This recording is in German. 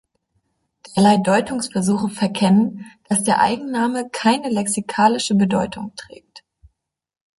Derlei Deutungsversuche verkennen, dass der Eigenname keine lexikalische Bedeutung trägt.